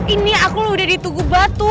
ini aku udah ditugu batu